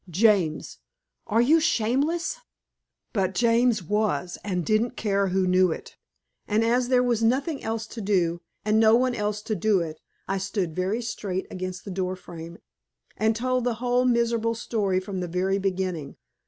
James, are you shameless?" But James was and didn't care who knew it. And as there was nothing else to do, and no one else to do it, I stood very straight against the door frame, and told the whole miserable story from the very beginning.